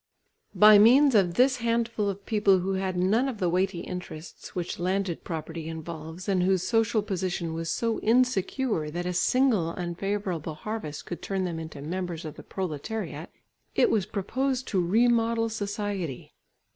By means of this handful of people who had none of the weighty interests which landed property involves, and whose social position was so insecure that a single unfavourable harvest could turn them into members of the proletariat, it was proposed to remodel society.